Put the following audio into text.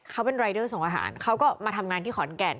เขาเป็นรายเดอร์ส่งอาหารเขาก็มาทำงานที่ขอนแก่น